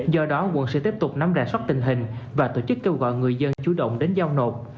do đó quận sẽ tiếp tục nắm rà sóc tình hình và tổ chức kêu gọi người dân chú động đến giao nộp